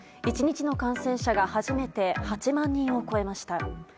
１日の感染者が初めて８万人を超えました。